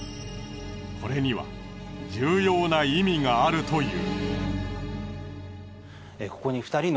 これには重要な意味があるという。